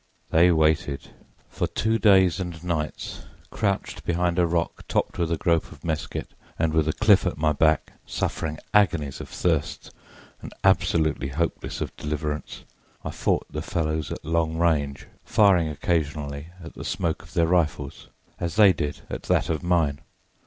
"They waited. For two days and nights, crouching behind a rock topped with a growth of mesquite, and with the cliff at my back, suffering agonies of thirst and absolutely hopeless of deliverance, I fought the fellows at long range, firing occasionally at the smoke of their rifles, as they did at that of mine.